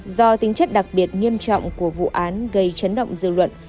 do tính chất đặc biệt nghiêm trọng của vụ án gây chấn động dư luận